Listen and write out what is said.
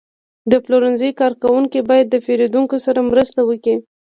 د پلورنځي کارکوونکي باید د پیرودونکو سره مرسته وکړي.